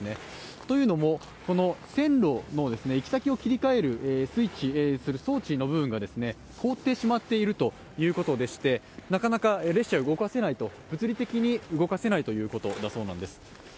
というのも、線路の、行き先を切り替えるスイッチ、装置の部分が凍ってしまっているということでして、なかなか列車が物理的に動かせないということだそうです。